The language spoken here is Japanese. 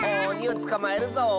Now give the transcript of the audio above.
おにをつかまえるぞ。